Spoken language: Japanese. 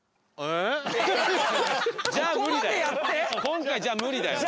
今回無理だよ。